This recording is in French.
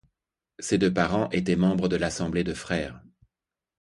Ses deux parents étaient membres de l'Assemblées de Frères.